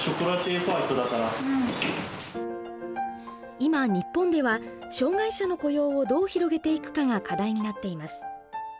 今日本では障害者の雇用をどう広げていくかが課題になっています。